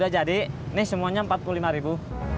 jadi nih semuanya empat puluh lima ribu